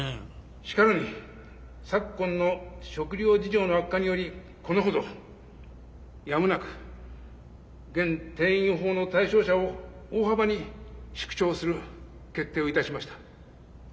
「しかるに、昨今の食糧事情の悪化により、このほど、止むなく、現『定員法』の対象者を大幅に縮小する決定をいたしました。